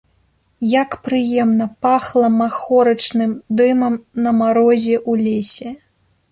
Як прыемна пахла махорачным дымам на марозе ў лесе.